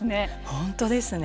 本当ですね。